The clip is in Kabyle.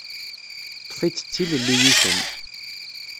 Ṭṭef-itt d tilelli i kemm.